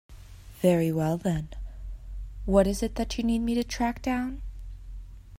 Very well then, what is it that you need me to track down?